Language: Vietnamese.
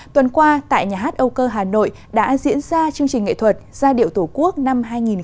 tuần qua tại nhà hát âu cơ hà nội đã diễn ra chương trình nghệ thuật giai điệu tổ quốc năm hai nghìn một mươi chín